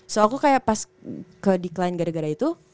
so aku kayak pas ke dekline gara gara itu